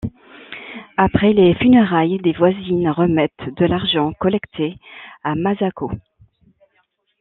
Après les funérailles, des voisines remettent de l'argent collecté à Masako.